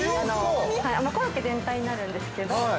コロッケ全体になるんですけど。